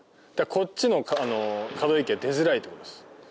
こっちの可動域が出づらいってことです。